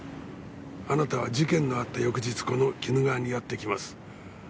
あなたは事件のあった翌日この鬼怒川にやって来ます。